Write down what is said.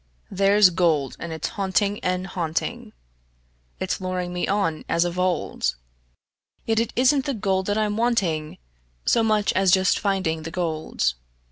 There's gold, and it's haunting and haunting; It's luring me on as of old; Yet it isn't the gold that I'm wanting So much as just finding the gold.